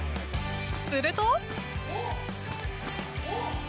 すると。